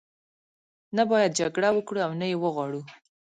نه باید جګړه وکړو او نه یې وغواړو.